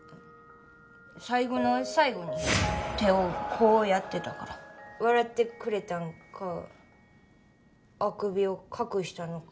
最後の最後に手をこうやってたから笑ってくれたんかあくびを隠したのかはわからない。